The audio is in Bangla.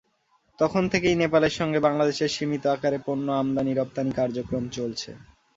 তখন থেকেই নেপালের সঙ্গে বাংলাদেশের সীমিত আকারে পণ্য আমদানি-রপ্তানি কার্যক্রম চলছে।